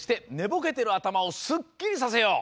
ぼけてるあたまをすっきりさせよう！